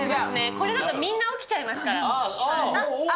これだとみんな起きちゃいますかああ。